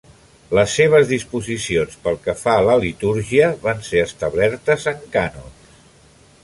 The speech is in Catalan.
Les seves disposicions pel que fa a la litúrgia van ser establertes en cànons.